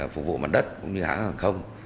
phục vụ mặt đất cũng như hãng hàng không